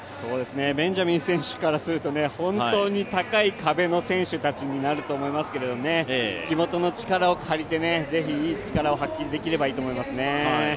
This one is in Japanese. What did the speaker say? ベンジャミン選手からすると本当に高い壁の選手たちになると思いますけど地元の力を借りて、ぜひいい力を発揮できればいいと思いますね。